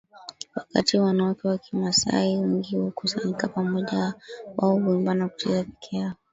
Wakati wanawake wa kimasai wengi hukusanyika pamoja wao huimba na kucheza peke yao